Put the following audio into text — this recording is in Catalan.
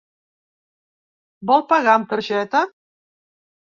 Vol pagar amb targeta?